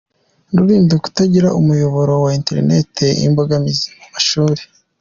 Rulindo Kutagira umuyoboro wa internet imbogamizi mu mashuri